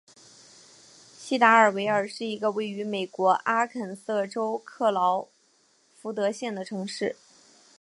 锡达尔维尔是一个位于美国阿肯色州克劳福德县的城市。